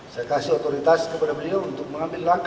saya kasih otoritas kepada beliau untuk mengambil langkah